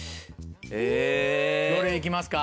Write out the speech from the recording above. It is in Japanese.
どれ行きますか？